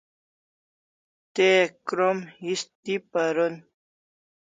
Te krom histi paron